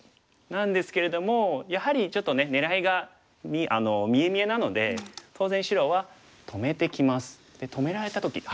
なんですけれどもやはりちょっとね狙いが見え見えなので当然白は止めてきます。で止められた時。